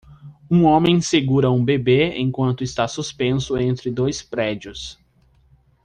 Um homem segura um bebê enquanto está suspenso entre dois prédios.